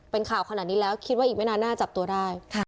เป็นข่าวขนาดนี้แล้วคิดว่าอีกไม่นานน่าจับตัวได้